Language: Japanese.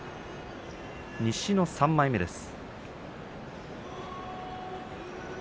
西の３枚目です。